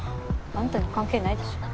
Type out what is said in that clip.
あんたに関係ないでしょ。